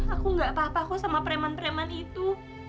aku gak apa apa kok sama preman preman itu